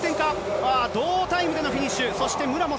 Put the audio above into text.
ああ、同タイムでのフィニッシュ。